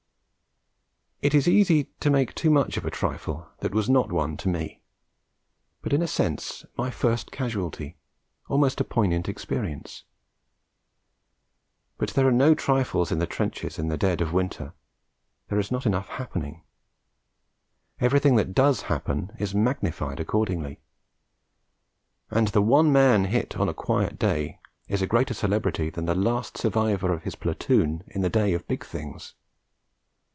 It is easy to make too much of a trifle that was not one to me, but in a sense my first casualty, almost a poignant experience. But there are no trifles in the trenches in the dead of winter; there is not enough happening; everything that does happen is magnified accordingly; and the one man hit on a quiet day is a greater celebrity than the last survivor of his platoon in the day of big things.